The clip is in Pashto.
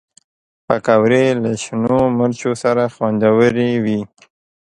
پکورې له شنو مرچو سره خوندورې وي